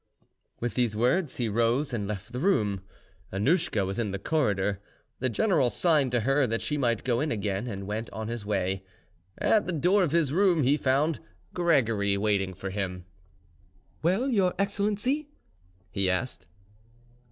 With these words, he rose and left the room. Annouschka was in the corridor; the general signed to her that she might go in again, and went on his way. At the door of his room he found Gregory waiting for him. "Well, your excellency?" he asked.